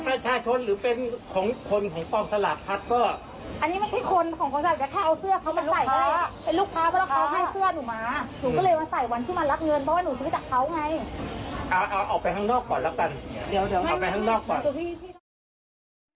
แล้วจะตอบว่าอย่างไรครับ